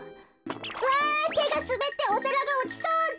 わてがすべっておさらがおちそうだ！